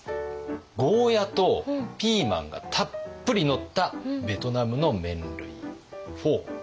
ゴーヤとピーマンがたっぷりのったベトナムの麺類フォーであります。